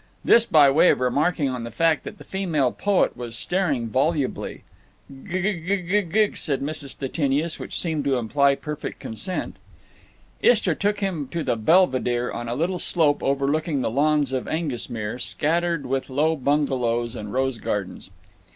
This by way of remarking on the fact that the female poet was staring volubly. "G g g g g g—" said Mrs. Stettinius, which seemed to imply perfect consent. Istra took him to the belvedere on a little slope overlooking the lawns of Aengusmere, scattered with low bungalows and rose gardens.